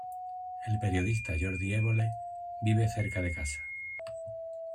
El periodista Jordi Evole vive cerca de casa.